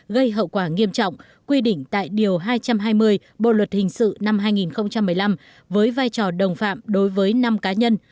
gây hậu quả nghiêm trọng quy định tại điều hai trăm hai mươi bộ luật hình sự năm hai nghìn một mươi năm với vai trò đồng phạm đối với năm cá nhân